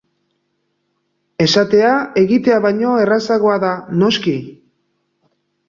Esatea egitea baino errazagoa da, noski.